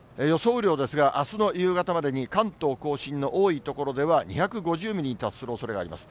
雨量ですが、あすの夕方までに、関東甲信の多い所では２５０ミリに達するおそれがあります。